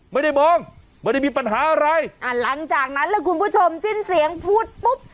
ไม่ได้มองไม่ได้มีปัญหาอะไรอ่าหลังจากนั้นแล้วคุณผู้ชมสิ้นเสียงพูดปุ๊บ